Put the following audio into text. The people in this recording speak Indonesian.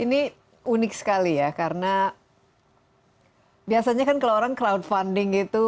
ini unik sekali ya karena biasanya kan kalau orang crowdfunding itu